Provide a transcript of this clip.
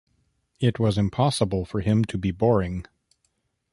It was impossible for him to be boring.